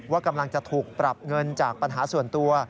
ว่ากำลังจะถูกปรับเงินจากปัญหาส่วนตัว